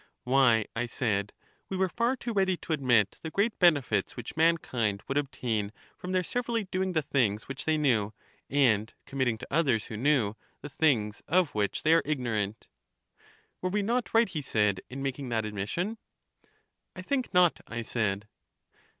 Why, I said, we were far too ready to admit the great benefits which mankind would obtain from their severally doing the things which they knew, and com mitting to others who knew the things of which they are ignorant. Were we not right, he said, in making that admis sion? I think not, I said.